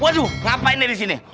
waduh ngapain dari sini